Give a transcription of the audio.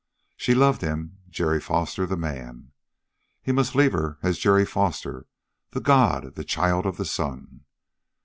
She loved him, Jerry Foster, the man. He must leave her as Jerry Foster, the god, child of the sun.